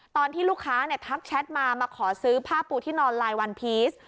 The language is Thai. ตอนที่ลูกค้าทักแชทมามาขอซื้อผ้าปูที่นอนลายวันพีช